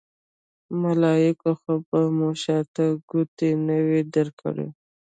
ملایکو خو به مو شاته ګوتې نه وي درکړې.